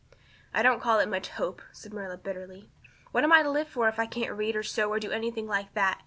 "I don't call it much hope," said Marilla bitterly. "What am I to live for if I can't read or sew or do anything like that?